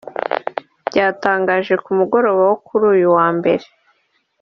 byatangaje ku mugoroba wo kuri uyu wa Mbere